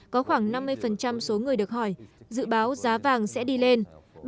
có khoảng năm mươi số người được hỏi dự báo giá vàng sẽ đi lên